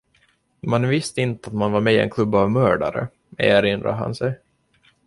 ”Man visste inte att man var med i en klubb av mördare”, erinrade han sig.